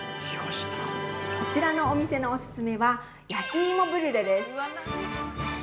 ◆こちらのお店のオススメは「焼き芋ブリュレ」です。